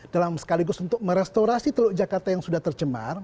dalam sekaligus untuk merestorasi teluk jakarta yang sudah tercemar